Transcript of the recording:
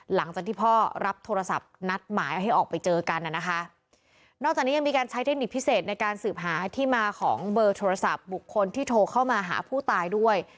หลังจากที่พ่อรับโทรศัพท์นัดหมายเอาให้ออกไปเจอกันน่ะนะคะนอกจากนี้ยังมีการใช้เทคนิคพิเศษในการสืบหาที่มาของเบอร์โทรศัพท์บุคคลที่โทรเข้ามาหาผู้ตายด้วย